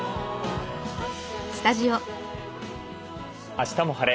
「あしたも晴れ！